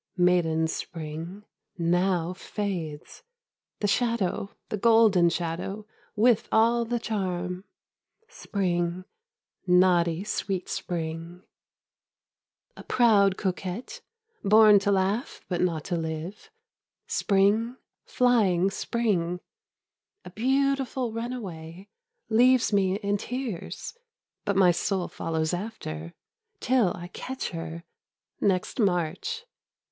Maiden Spring, Now fades, The shadew. The golden shadow. With all the charm. Spring, ^ Naughty sweet Spring:, JO spring A proud coquette, Bom to laugh but not to live. Spring, Flying Spring, A beautiful runaway, Leaves me in tears, But my soul follows after, Till I catch her. Next March.